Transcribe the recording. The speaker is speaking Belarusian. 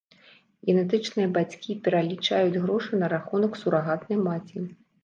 Генетычныя бацькі пералічаюць грошы на рахунак сурагатнай маці.